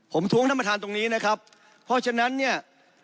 ผมท้วงท่านประธานตรงนี้นะครับเพราะฉะนั้นเนี่ย